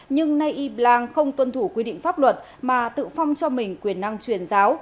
nhưng nay y blang không tuân thủ quy định pháp luật mà tự phong cho mình quyền năng truyền giáo